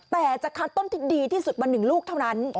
แต่จะคัดต้นที่ดีที่สุดมา๑ลูกเท่านั้น